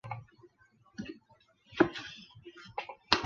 大叶玉山假瘤蕨为水龙骨科假瘤蕨属下的一个种。